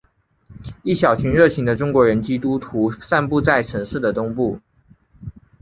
一小群热情的中国人基督徒散布在城市的东部。